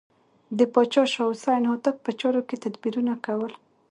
د پاچا شاه حسین هوتک په چارو کې تدبیرونه کول.